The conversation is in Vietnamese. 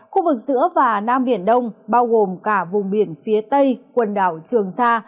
khu vực giữa và nam biển đông bao gồm cả vùng biển phía tây quần đảo trường sa